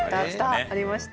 ありました。